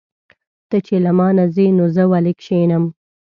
ته چې له مانه ځې نو زه ولې کښېنم.